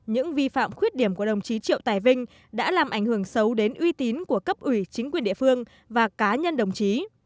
những vi phạm khuyết điểm của đồng chí triệu tài vinh đã làm ảnh hưởng xấu đến uy tín của cấp ủy chính quyền địa phương và cá nhân đồng chí